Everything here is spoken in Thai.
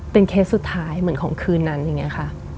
เคสสุดท้ายเหมือนของคืนนั้นอย่างนี้ค่ะ